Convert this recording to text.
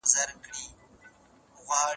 په لاس لیکلنه د لاسونو د تڼاکو په بیه بدلیږي.